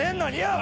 俺。